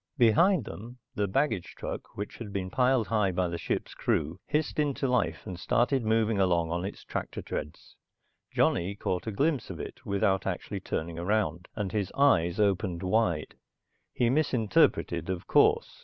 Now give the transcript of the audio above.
Behind them the baggage truck, which had been piled high by the ship's crew, hissed into life and started moving along on its tractor treads. Johnny caught a glimpse of it, without actually turning around, and his eyes opened wide. He misinterpreted, of course.